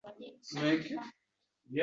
Bir tomonda tahlika